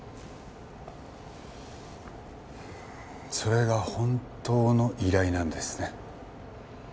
それが本当の依頼なんですね。